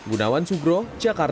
gunawan subro jakarta